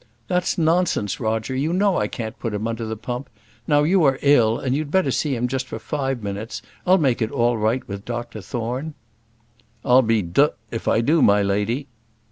"That's nonsense, Roger; you know I can't put him under the pump. Now you are ill, and you'd better see him just for five minutes. I'll make it all right with Dr Thorne." "I'll be d if I do, my lady."